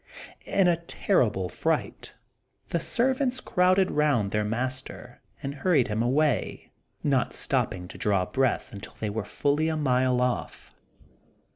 In a terrible fright the servants crowded round their master and hurried him away, not stopping to draw breath until they were fully a mile off.